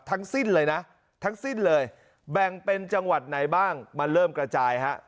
ทั้งสิ้นเลยนะทั้งสิ้นเลยแบ่งเป็นจังหวัดไหนบ้างมันเริ่มกระจายฮะ